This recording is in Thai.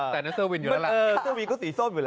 แต่นัทเซอร์วินอยู่นั่นแหละ